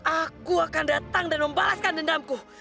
aku akan datang dan membalaskan dendamku